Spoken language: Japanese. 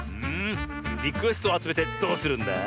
リクエストをあつめてどうするんだ？